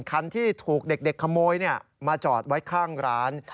คันที่ถูกเด็กขโมยมาจอดไว้ข้างร้าน